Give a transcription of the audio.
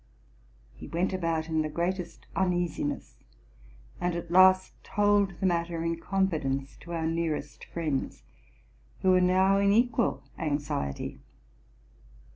He went about in the greatest uneasiness, and at last told the matter in confi dence to our nearest friends, who were now in equal anxiety.